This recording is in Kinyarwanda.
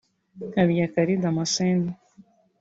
Habiyakare Damascene